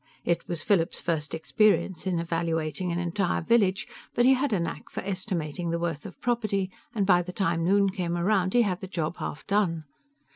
It was Philip's first experience in evaluating an entire village, but he had a knack for estimating the worth of property, and by the time noon came around, he had the job half done.